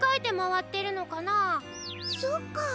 そっか。